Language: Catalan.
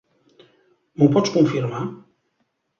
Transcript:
M'ho pots confirmar?